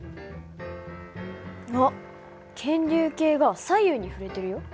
あっ検流計が左右に振れてるよ。